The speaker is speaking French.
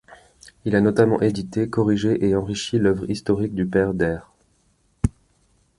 Il a notamment édité, corrigé et enrichi l’œuvre historique du Père Daire.